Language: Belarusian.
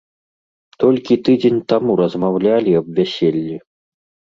Толькі тыдзень таму размаўлялі аб вяселлі!